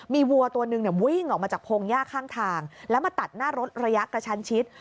มีวัวตัวหนึ่งวิ่งออกมาจากพงหญ้าข้างทางแล้วมาตัดหน้ารถระยะกระชันชิด